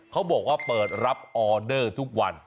เขาบอกว่าเปิดรับออเดอร์ทุกวัน